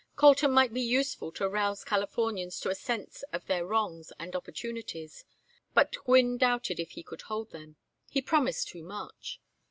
Colton might be useful to rouse Californians to a sense of their wrongs and opportunities, but Gwynne doubted if he could hold them. He promised too much.